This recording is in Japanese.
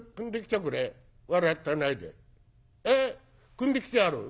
くんできてある？」。